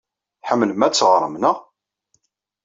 Tḥemmlem ad teɣrem, naɣ?